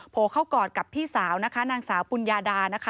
โเข้ากอดกับพี่สาวนะคะนางสาวปุญญาดานะคะ